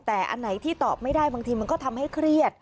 แต่อันไหนที่ตอบไม่ได้บางทีมันก็ทำให้เครียด